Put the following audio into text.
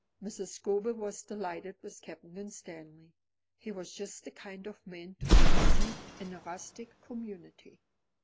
Mrs. Scobel was delighted with Captain Winstanley. He was just the kind of man to succeed in a rustic community.